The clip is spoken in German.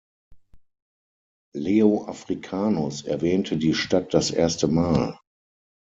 Leo Africanus erwähnte die Stadt das erste Mal.